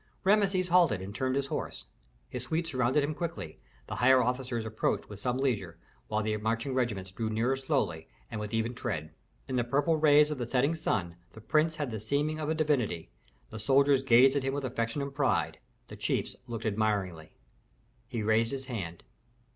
Rameses halted and turned his horse. His suite surrounded him quickly, the higher officers approached with some leisure, while the marching regiments drew nearer slowly and with even tread. In the purple rays of the setting sun, the prince had the seeming of a divinity, the soldiers gazed at him with affection and pride, the chiefs looked admiringly. He raised his hand.